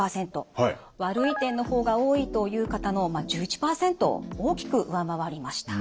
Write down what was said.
「悪い点の方が多い」という方の１１％を大きく上回りました。